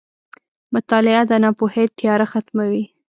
• مطالعه د ناپوهۍ تیاره ختموي.